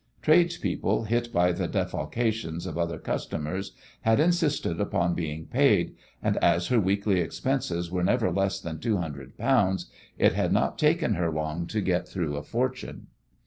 Tradespeople, hit by the defalcations of other customers, had insisted upon being paid, and as her weekly expenses were never less than two hundred pounds it had not taken her long to get through a fortune.